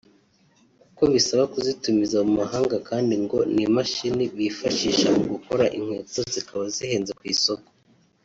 kuko bibasaba kuzitumiza mu mahanga kandi ngo n'imashini bifashisha mu gukora inkweto zikaba zihenze ku isoko